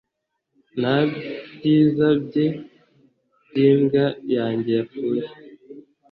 Nta byizabyes byimbwa yanjye yapfuye